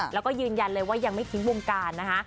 แล้วก็ยืนยันเลยว่ายังไม่ทิ้งวงการนะคะ